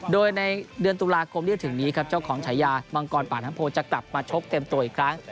โดยในเดือนตุลาคมที่จะถึงนี้ครับเจ้าของฉายามังกรป่าน้ำโพจะกลับมาชกเต็มตัวอีกครั้ง